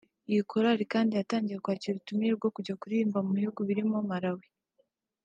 Iyi korali kandi yatangiye kwakira ubutumire bwo kujya kuririmbira mu bihugu birimo Malawi